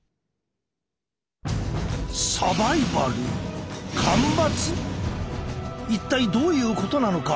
しかし一体一体どういうことなのか。